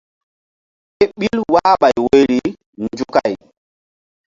Ké ɓil wahɓay woyri nzukay.